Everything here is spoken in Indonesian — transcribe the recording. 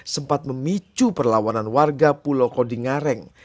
sempat memicu perlawanan warga pulau kodingareng